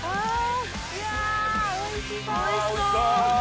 おいしそう！